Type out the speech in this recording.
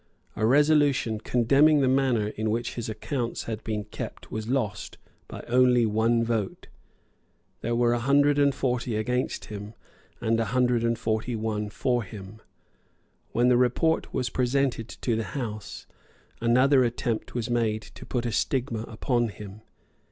A resolution condemning the manner in which his accounts had been kept was lost by only one vote. There were a hundred and forty against him, and a hundred and forty one for him. When the report was presented to the House, another attempt was made to put a stigma upon him.